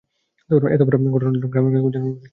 এত বড় ঘটনাটা হলো গ্রামের কাউকে জানানো উচিত ছিল।